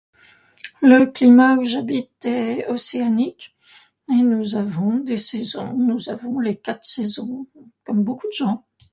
Le climat où j'habite est océanique et nous avons des saisons, nous avons les quatre saisons, comme beaucoup de gens.